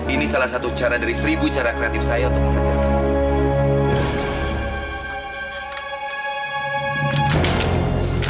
ini salah satu cara dari seribu cara kreatif saya untuk mengajarkan